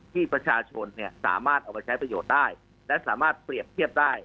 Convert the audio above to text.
ที่ประชาชนสามารถเอามาใช้ประโยชน์ได้และสามารถเปรียบเทียบได้